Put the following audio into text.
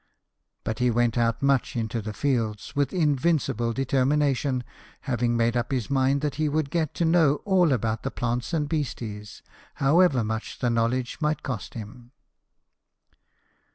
But he went out much into the fields, with invincible determination, having made up his mind that he would get to know all about the plants and beasties, however much the knowledge might cost him.